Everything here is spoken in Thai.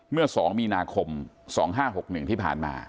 เมื่อ๒มีนาคม๒๕๖๑ที่ผ่านมา